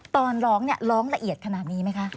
ตอนร้องร้องละเอียดขนาดนี้ไหมคะ